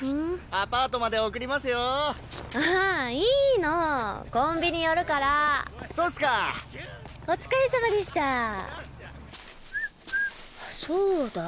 アパートまで送りますよああいいのコンビニ寄るからそうっすかお疲れさまでしたそうだ